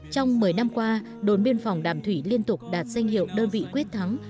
trong một mươi năm qua đồn biên phòng đàm thủy liên tục đạt danh hiệu đơn vị quyết thắng